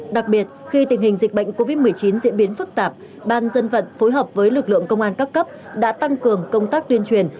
đặc biệt khi tình hình dịch bệnh covid một mươi chín diễn biến phức tạp ban dân vận phối hợp với lực lượng công an các cấp đã tăng cường công tác tuyên truyền